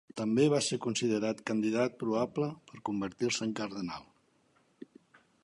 També va ser considerat candidat probable per convertir-se en cardenal.